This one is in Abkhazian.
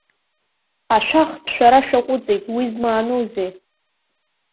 Ашәахтә шәара шәаҟәыҵит, уи змааноузеи?